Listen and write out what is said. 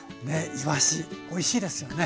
いわしおいしいですよね。